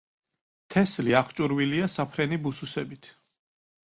თესლი „აღჭურვილია“ საფრენი ბუსუსებით.